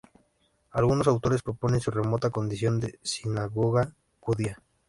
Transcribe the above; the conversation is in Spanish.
Algunos autores proponen su remota condición de sinagoga judía.